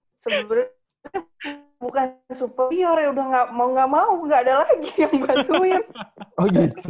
sebenernya bukan superior ya udah mau enggak mau enggak ada lagi yang bantuin